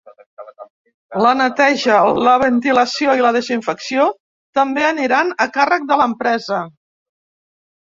La neteja, la ventilació i la desinfecció també aniran a càrrec de l’empresa.